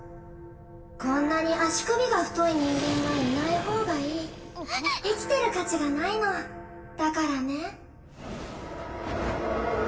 こんなに足首が太い人間はいない方がいい生きてる価値がないのだからね